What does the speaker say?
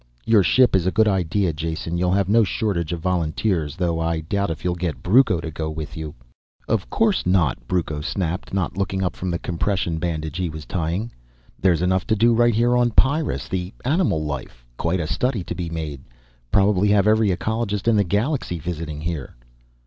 Your ship is a good idea, Jason, you'll have no shortage of volunteers. Though I doubt if you'll get Brucco to go with you." "Of course not," Brucco snapped, not looking up from the compression bandage he was tying. "There's enough to do right here on Pyrrus. The animal life, quite a study to be made, probably have every ecologist in the galaxy visiting here."